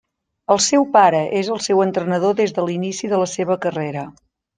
El seu pare és el seu entrenador des de l'inici de la seva carrera.